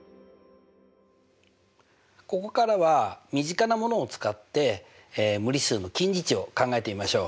ここからは身近なものを使って無理数の近似値を考えてみましょう。